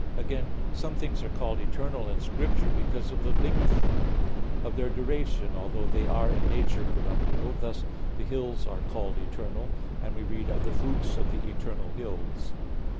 Again, some things are called eternal in Scripture because of the length of their duration, although they are in nature corruptible; thus (Ps. 75:5) the hills are called "eternal" and we read "of the fruits of the eternal hills."